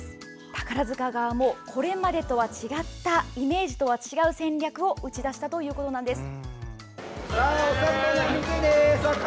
宝塚側もこれまでとは違ったイメージとは違う戦略を打ち出したんです。